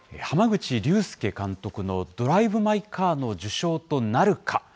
濱口竜介監督のドライブ・マイ・カーの受賞となるか。